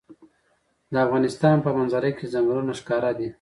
د افغانستان په منظره کې ځنګلونه ښکاره ده.